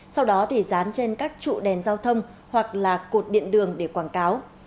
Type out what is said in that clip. sau đó thì dán trên các trụ đèn giao thông hoặc là cột điện đường để quảng cáo